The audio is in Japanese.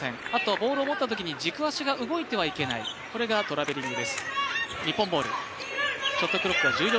ボールを持ったときに軸足が動いてはいけないのがトラベリング。